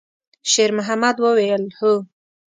شېرمحمد وویل: «هو.»